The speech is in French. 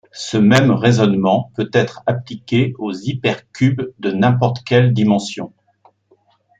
Ce même raisonnement peut être appliqué aux hypercubes de n'importe quelle dimension.